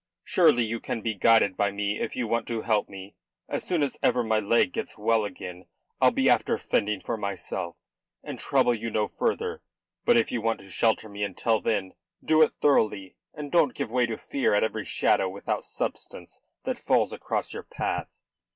"Surely you can be guided by me if you want to help me. As soon as ever my leg gets well again I'll be after fending for myself, and trouble you no further. But if you want to shelter me until then, do it thoroughly, and don't give way to fear at every shadow without substance that falls across your path."